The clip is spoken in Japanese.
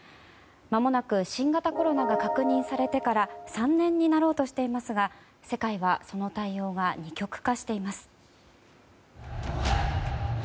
まもなく新型コロナが確認されてから３年になろうとしていますが世界はその対応が二極化しています。